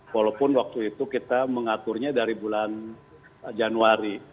walaupun waktu itu kita mengaturnya dari bulan januari